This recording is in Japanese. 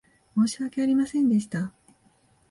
申し訳ありませんでした。